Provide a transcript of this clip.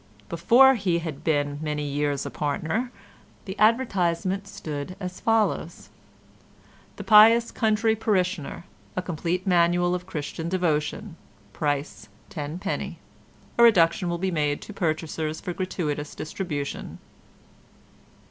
Before he had been many years a partner the advertisement stood as follows:— "The Pious Country Parishioner. A complete manual of Christian Devotion. Price 10d. A reduction will be made to purchasers for gratuitous distribution."